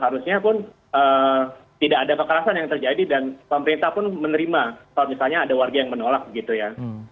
harusnya pun tidak ada kekerasan yang terjadi dan pemerintah pun menerima kalau misalnya ada warga yang menolak begitu ya